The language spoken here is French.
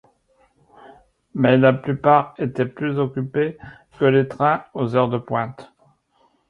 Mais la plupart étaient plus occupés que les trains aux heures de pointe.